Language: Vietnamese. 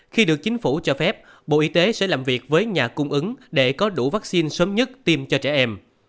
khi được chính phủ cho phép bộ y tế sẽ làm việc với nhà cung ứng để có đủ vaccine sớm nhất tiêm cho trẻ em